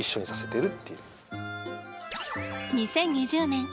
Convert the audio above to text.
２０２０年